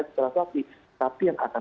di salah satu api tapi yang akan